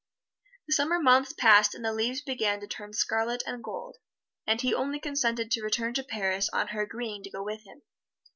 The summer months passed and the leaves began to turn scarlet and gold, and he only consented to return to Paris on her agreeing to go with him.